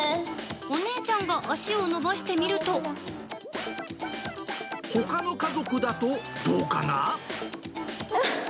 お姉ちゃんが足を伸ばしてみほかの家族だとどうかな？